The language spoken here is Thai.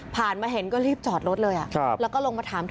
ผ่านมาเห็นก็รีบจอดรถเลยอ่ะครับแล้วก็ลงมาถาม